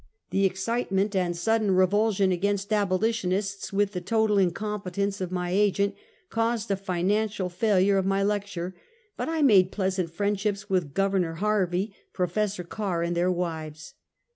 The excitement and sudden revulsion against abo litionists with the total incompetence of my agent, caused a financial failure of my lecture, but I made pleasant friendships with Gov. Harvey, Prof. Carr and their wives.